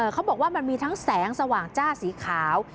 เขาบอกว่ามันมีทั้งแสงสว่างจ้าสีขาว